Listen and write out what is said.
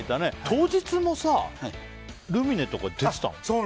当日もさ、ルミネとか出てたの？